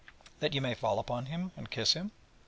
that you may fall upon him, and kiss him?